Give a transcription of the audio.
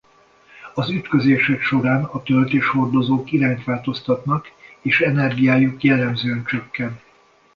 Az ütközések során a töltéshordozók irányt változtathatnak és energiájuk jellemzően csökken.